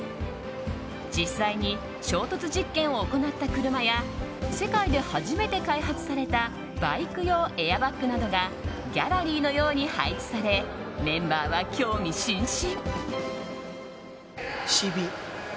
実際に衝突実験を行った車や世界で初めて開発されたバイク用エアバッグなどがギャラリーのように配置されメンバーは興味津々。